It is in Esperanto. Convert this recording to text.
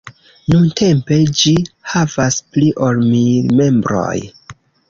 Nuntempe ĝi havas pli ol mil membroj.